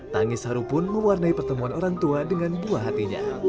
tangis haru pun mewarnai pertemuan orang tua dengan buah hatinya